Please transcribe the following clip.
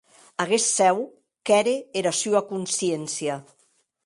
Aguest cèu qu’ère era sua consciéncia.